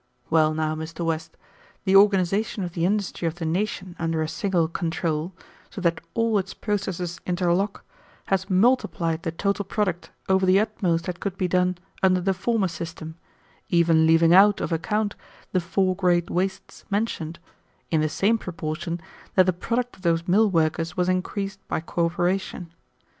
Well now, Mr. West, the organization of the industry of the nation under a single control, so that all its processes interlock, has multiplied the total product over the utmost that could be done under the former system, even leaving out of account the four great wastes mentioned, in the same proportion that the product of those millworkers was increased by cooperation.